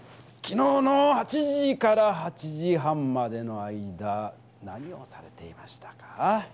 きのうの８時８時半までの間何をされていましたか？